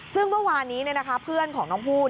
ซึ่งเมื่อวานนี้เพื่อนของน้องพูด